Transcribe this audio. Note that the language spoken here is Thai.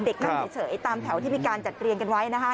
เด็กนั่งเฉยตามแถวที่มีการจัดเรียงกันไว้นะคะ